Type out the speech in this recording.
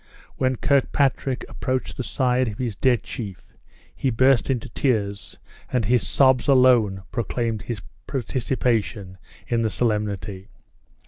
When Kirkpatrick approached the side of his dead chief, he burst into tears, and his sobs alone proclaimed his participation in the solemnity.